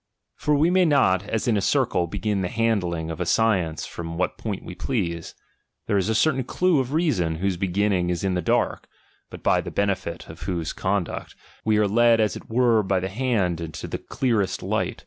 For we may not, as in a circle, begin the handUng of a science from what point we please. There is a certain clue of reason, whose beginning is in the dark ; but by the benefit of whose conduct, we are led as it were by the hand into the clearest light.